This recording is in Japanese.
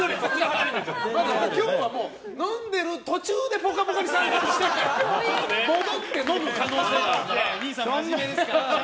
今日は飲んでる途中で「ぽかぽか」に参加して戻って飲む可能性があるから。